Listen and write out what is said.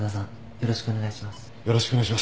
よろしくお願いします。